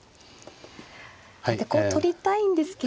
でこう取りたいんですけれども。